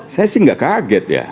saya sih nggak kaget ya